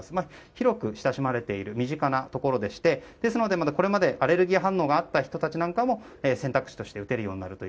広く親しまれている身近なところでして、これまでアレルギー反応などがあった人も選択肢として打てるようになると。